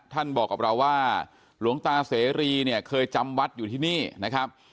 บอกกับเราว่าหลวงตาเสรีเนี่ยเคยจำวัดอยู่ที่นี่นะครับ